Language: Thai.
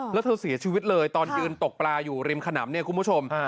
แล้วเธอเสียชีวิตเลยตอนยืนตกปลาอยู่ริมขนำเนี่ยคุณผู้ชม